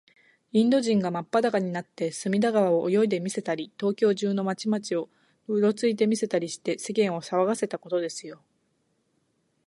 インド人がまっぱだかになって、隅田川を泳いでみせたり、東京中の町々を、うろついてみせたりして、世間をさわがせたことですよ。